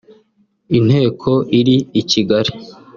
inteko iri i Kigali